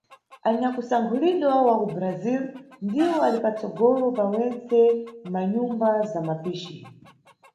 Anyakusankhulidwa wa ku Brasil ndiwo ali patsogolo pa wentse mʼmanyumba za mapici.